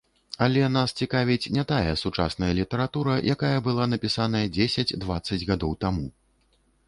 Але нас цікавіць не тая сучасная літаратура, якая была напісаная дзесяць-дваццаць гадоў таму.